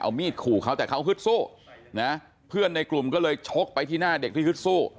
เอามีดขู่เขาแต่เขาฮึดสู้นะเพื่อนในกลุ่มก็เลยชกไปที่หน้าเด็กที่ฮึดสู้